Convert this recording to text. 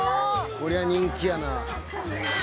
こりゃ人気やなあ。